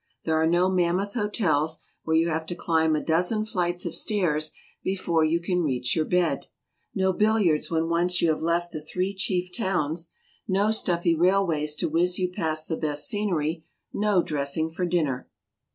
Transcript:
There are no mammoth hotels, where you have to climb a dozen flights of stairs before you can reach your bed ; no billiards when once you have left the three chief towns ; no stuffy railways to whiz you past the best scenery ; no dressing for dinner.